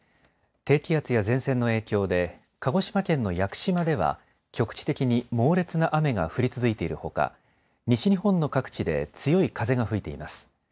低気圧や前線の影響で鹿児島県の屋久島では局地的に猛烈な雨が降り続いているほか、西日本の各地で強い風が吹いています。